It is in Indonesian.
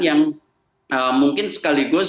yang mungkin sekaligus